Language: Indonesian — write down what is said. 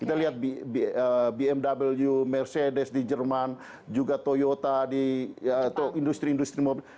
kita lihat bmw mercedes di jerman juga toyota atau industri industri mobil